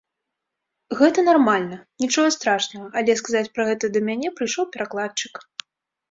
Гэта нармальна, нічога страшнага, але сказаць пра гэта да мяне прыйшоў перакладчык.